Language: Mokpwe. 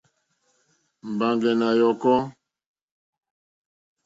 Mbàŋɡɛ̀ nà yɔ̀kɔ́.